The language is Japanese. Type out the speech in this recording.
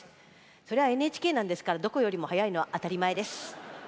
それはＮＨＫなんですからどこよりも早いのは当たり前です。